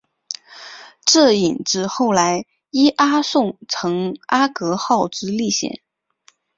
这引致后来伊阿宋乘阿格号之历险。